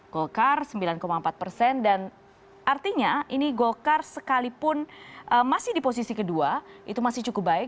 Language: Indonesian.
golkar sembilan empat persen dan artinya ini golkar sekalipun masih di posisi kedua itu masih cukup baik